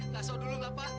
masuk dulu gak apa